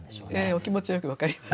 お気持ちよく分かります。